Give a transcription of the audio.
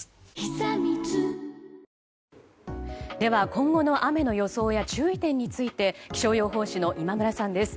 今後の雨の予想や注意点について気象予報士の今村さんです。